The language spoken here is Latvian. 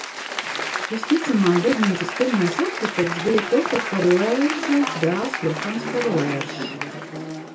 Visticamāk baznīcas pirmais arhitekts bija Petra Parlērža dēls Johans Parlēržs.